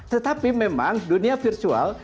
tetapi memang dunia virtual